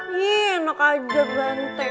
ini enak aja banten